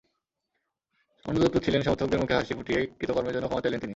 অনুতপ্তও ছিলেন, সমর্থকদের মুখে হাসি ফুটিয়েই কৃতকর্মের জন্য ক্ষমা চাইলেন তিনি।